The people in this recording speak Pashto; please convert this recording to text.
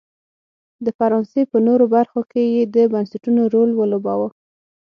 د فرانسې په نورو برخو کې یې د بنسټونو رول ولوباوه.